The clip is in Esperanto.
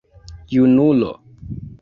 Junulo!